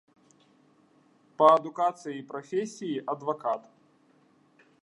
Па адукацыі і прафесіі адвакат.